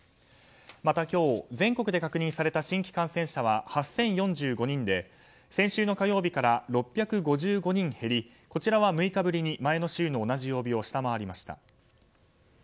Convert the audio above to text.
また今日、全国で確認された新規感染者は８０４５人で、先週の火曜日から６５５人減りこちらは６日ぶりに前の週の同じ曜日を下回りました。